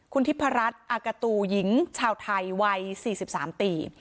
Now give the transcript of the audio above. คุณธิพรัชอากตูหญิงชาวไทยวัยสี่สิบสามตี